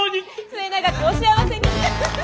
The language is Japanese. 末永くお幸せに！